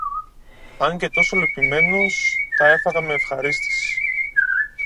Αν και τόσο λυπημένος, τα έφαγα μ' ευχαρίστηση